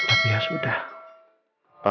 papa kan men weerawasi kamu semampu papa